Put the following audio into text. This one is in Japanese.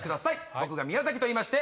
僕が宮といいまして。